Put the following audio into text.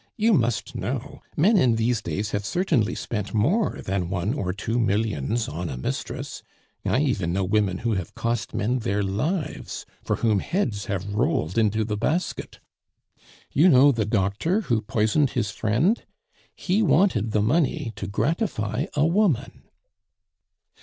You must know, men in these days have certainly spent more than one or two millions on a mistress. I even know women who have cost men their lives, for whom heads have rolled into the basket. You know the doctor who poisoned his friend? He wanted the money to gratify a woman."